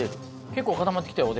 結構固まってきたよ！